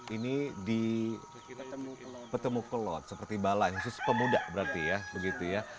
ini di petemu kelot seperti bala khusus pemuda berarti ya